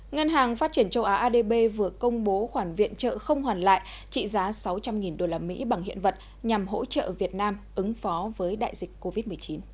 ngân hàng phát triển châu á adb vừa công bố khoản viện trợ không hoàn lại trị giá sáu trăm linh usd bằng hiện vật nhằm hỗ trợ việt nam ứng phó với đại dịch covid một mươi chín